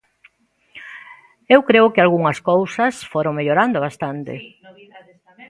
Eu creo que algunhas cousas foron mellorando bastante.